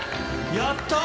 やったー。